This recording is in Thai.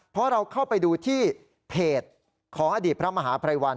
เพราะเราเข้าไปดูที่เพจของอดีตพระมหาภัยวัน